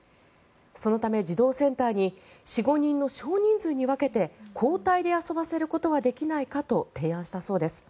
そのため、児童センターに４５人の少人数に分けて交代で遊ばせることはできないかと提案したそうです。